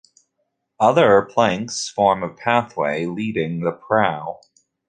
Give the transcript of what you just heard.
Other planks form a pathway leading the prow.